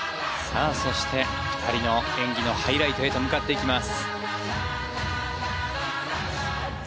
２人の演技のハイライトへと向かっていきます。